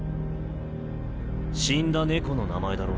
死んだ猫の名前だろ？